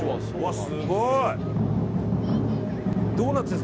すごい。